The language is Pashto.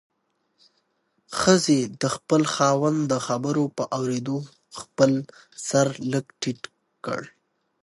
ښځې د خپل خاوند د خبرو په اورېدو خپل سر لږ ټیټ کړ.